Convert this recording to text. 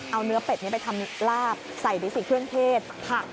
เอาเนื้อเป็ดนี้ไปทำลาบใส่ไปสิเครื่องเทศผัก